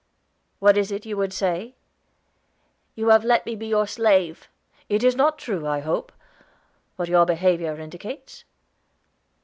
"What is it you would say?" "You have let me be your slave." "It is not true, I hope what your behavior indicates?"